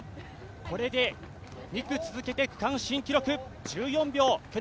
これで２区続けて区間新記録。